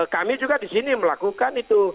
kami juga disini melakukan itu